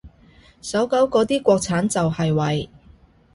搜狗嗰啲國產就係為